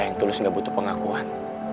gue gak butuh pengakuan